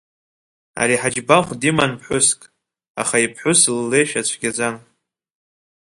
Ари Ҳаџьбахә диман ԥҳәыск, аха иԥҳәыс ллеишәа цәгьаӡан.